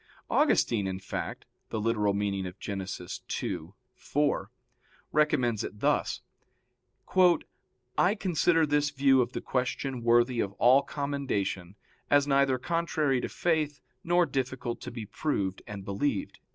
Augustine, in fact (Gen. ad lit. ii, 4), recommends it thus: "I consider this view of the question worthy of all commendation, as neither contrary to faith nor difficult to be proved and believed."